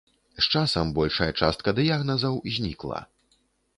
З часам большая частка дыягназаў знікла.